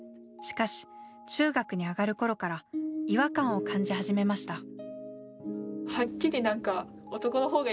しかし中学に上がる頃から違和感を感じ始めました。